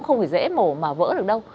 không phải dễ mổ mà vỡ được đâu